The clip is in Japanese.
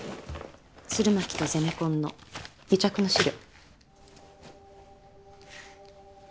鶴巻とゼネコンの癒着の資料。